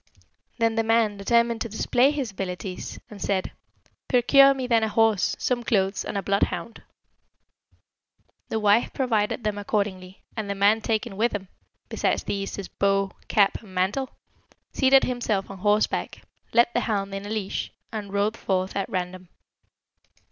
"Then the man determined to display his abilities, and said, 'Procure me then a horse, some clothes, and a bloodhound.' The wife provided them accordingly; and the man taking with him, besides these, his bow, cap, and mantle, seated himself on horseback, led the hound in a leash, and rode forth at random.